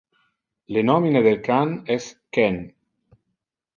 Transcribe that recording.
Le nomine del can es Ken.